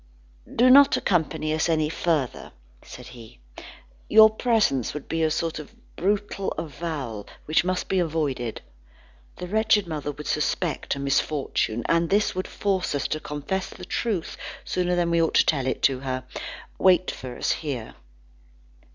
"Do not accompany us any further," said he; "your presence would be a sort of brutal avowal which must be avoided. The wretched mother would suspect a misfortune, and this would force us to confess the truth sooner than we ought to tell it to her. Wait for us here."